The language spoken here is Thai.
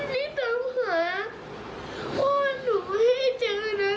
พี่สามารถพ่อหนูให้เจอนะทุกคน